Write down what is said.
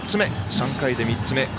３回で３つ目。